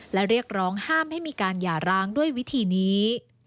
และเรียกร้องห้ามให้มีการหย่าร้างด้วยวิธีนี้